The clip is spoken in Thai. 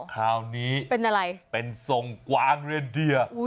คราวนี้เป็นอะไรเป็นทรงกวางเรนเดีย